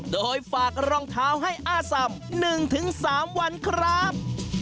โดยฝากรองเท้าให้อ้าสำ๑๓วันครับ